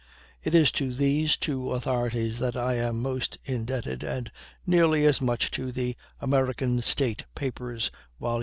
It is to these two authorities that I am most indebted, and nearly as much so to the "American State Papers," vol.